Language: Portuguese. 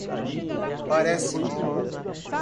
Parece-me